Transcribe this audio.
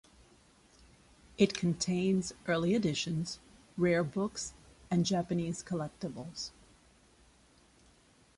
It contains early editions, rare books and Japanese collectibles.